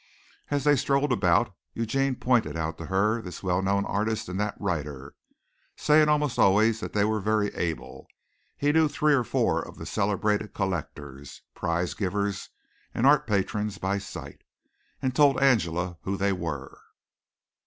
As they strolled about Eugene pointed out to her this well known artist and that writer, saying almost always that they were very able. He knew three or four of the celebrated collectors, prize givers, and art patrons by sight, and told Angela who they were.